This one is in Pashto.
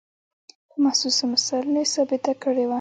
په محسوسو مثالونو یې ثابته کړې وه.